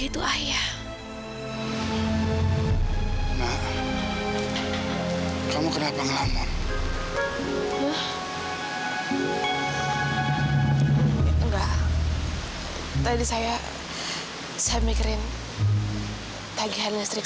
tadi saya mikirin tagihan listrik